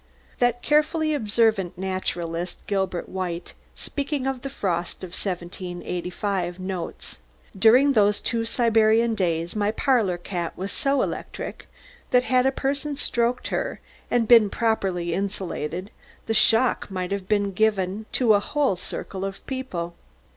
That carefully observant naturalist, Gilbert White, speaking of the frost of 1785, notes: "During those two Siberian days my parlour cat was so electric, that had a person stroked her, and been properly insulated, the shock might have been given to a whole circle of people."